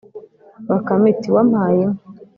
Bakame iti: "wampaye inka!